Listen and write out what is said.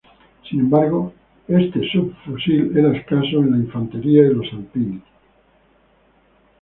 Sin embargo, este subfusil era escaso en la infantería y los Alpini.